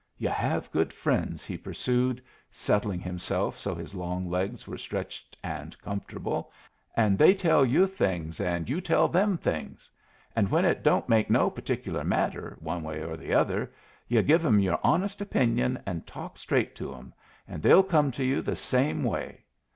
"Yu' have good friends," he pursued, settling himself so his long legs were stretched and comfortable, "and they tell yu' things, and you tell them things. And when it don't make no particular matter one way or the other, yu' give 'em your honest opinion and talk straight to 'em, and they'll come to you the same way.